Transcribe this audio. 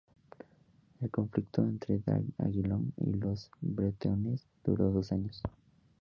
El conflicto entre D’Aguillon y los bretones duró dos años.